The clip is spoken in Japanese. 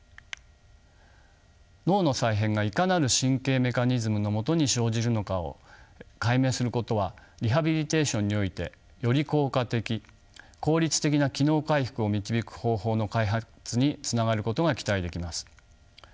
脳の再編がいかなる神経メカニズムのもとに生じるのかを解明することはリハビリテーションにおいてより効果的効率的な機能回復を導く方法の開発につながることが期待できます。